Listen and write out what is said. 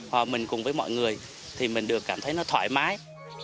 hòa mình cùng với mọi người thì mình được cảm thấy nó thoải mái